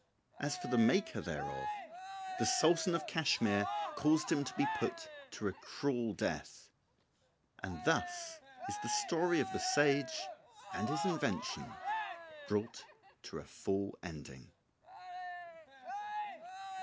As for the maker thereof, the Sultan of Cashmire caused him to be put to a cruel death: and thus is the story of the sage and his invention brought to a full ending.